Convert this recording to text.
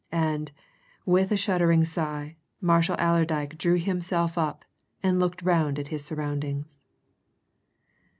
And, with a shuddering sigh, Marshall Allerdyke drew himself up and looked round at his surroundings.